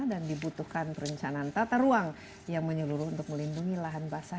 dan dibutuhkan perencanaan tata ruang yang menyeluruh untuk melindungi lahan basah